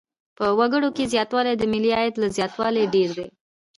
په وګړو کې زیاتوالی د ملي عاید له زیاتوالي ډېر دی.